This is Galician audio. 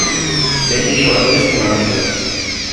Veñen xogadores que van axudar.